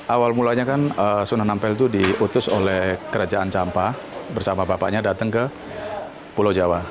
awal mulanya kan sunan ampel itu diutus oleh kerajaan campa bersama bapaknya datang ke pulau jawa